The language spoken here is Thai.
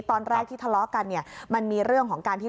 ตอนแรกที่ทะเลาะกันเนี่ยมันมีเรื่องของการที่